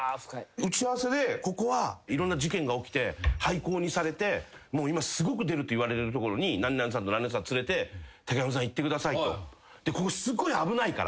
打ち合わせで「ここはいろんな事件が起きて廃校にされて今すごく出るといわれるところに何々さんと何々さん連れて竹山さん行ってください」と。